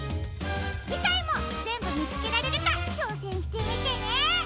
じかいもぜんぶみつけられるかちょうせんしてみてね！